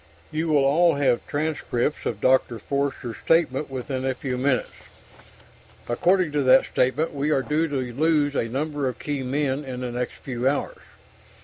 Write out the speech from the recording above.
You will all have transcripts of Dr. Forster's statement within a few minutes. According to that statement, we are due to lose a number of key men in the next few hours.